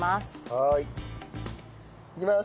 はーい。いきます！